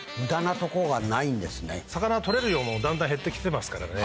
魚は取れる量もだんだん減って来てますからね。